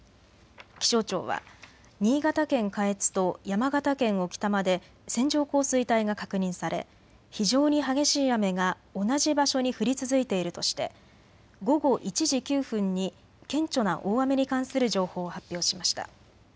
気象庁は新潟県下越と山形県置賜で線状降水帯が確認され非常に激しい雨が同じ場所に降り続いているとして午後１時９分に顕著な大雨に関する情報を発表しました。